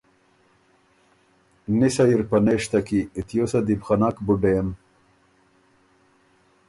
نِسئ اِر پنېشته کی، تیوسه دی بو خه نک بُډېم۔